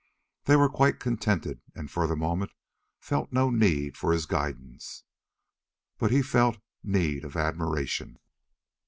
They were quite contented and for the moment felt no need of his guidance. But he felt need of admiration.